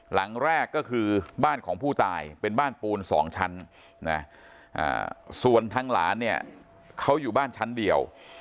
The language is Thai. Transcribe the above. หลังแรกก็คือบ้านของผู้ตายเป็นบ้านปูน๒ชั้นนะส่วนทางหลานเนี่ยเขาอยู่บ้านชั้นเดียว